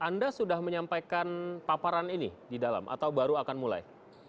anda sudah menyampaikan paparan ini di dalam atau baru akan mulai